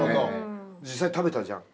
実際に食べたじゃん。